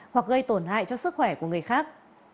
hoặc gây tổn hại cho sức khỏe của người khác